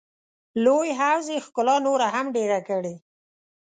لوی حوض یې ښکلا نوره هم ډېره کړې.